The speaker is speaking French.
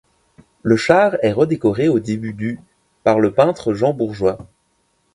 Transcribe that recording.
Le char est redécoré au début du par le peintre Jean Bourgeois.